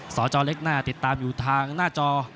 สจเล็กน่าติดตามอยู่ทางหน้าจอ